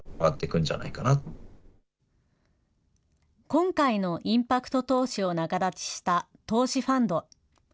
今回のインパクト投資を仲立ちした投資ファンド。